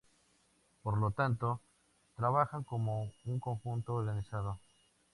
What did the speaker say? Por lo tanto trabajan como un conjunto organizado.